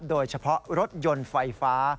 โดยเฉพาะรถยนต์ไฟฟ้า